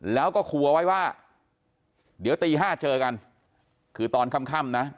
แล้วก็ครัวไว้ว่าเดี๋ยวตี๕เจอกันคือตอนค่ำนะ